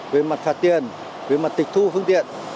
về mặt phạt tiền về mặt tịch thu phương tiện